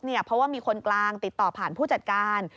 เพราะว่ามีคนกลางติดต่อผ่านผู้จัดการ